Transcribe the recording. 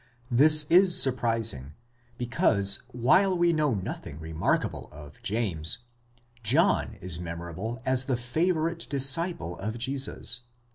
This is surprising ; because, while we know nothing remarkable of James, John is memorable as the favourite disciple of Jesus.